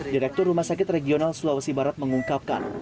direktur rumah sakit regional sulawesi barat mengungkapkan